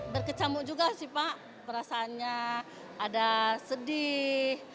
berkecamuk juga sih pak perasaannya ada sedih